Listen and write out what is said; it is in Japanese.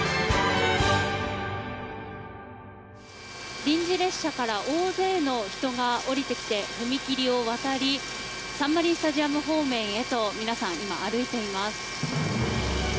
臨時列車から大勢の人が降りてきて踏切を渡りサンマリンスタジアム方面へと今、皆さん歩いています。